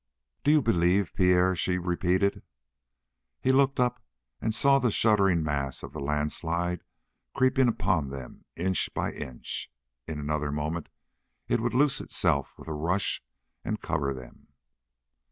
"Do you believe, Pierre?" she repeated. He looked up and saw the shuddering mass of the landslide creeping upon them inch by inch. In another moment it would loose itself with a rush and cover them.